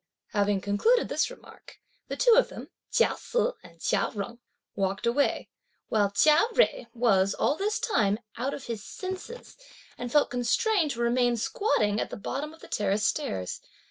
Having concluded this remark, the two of them (Chia Se and Chia Jung) walked away; while Chia Jui was, all this time, out of his senses, and felt constrained to remain squatting at the bottom of the terrace stairs.